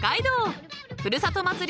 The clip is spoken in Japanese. ［ふるさと祭り